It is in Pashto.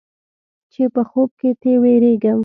چې په خوب کې تې وېرېږم.